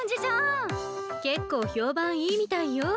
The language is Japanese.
結構評判いいみたいよ。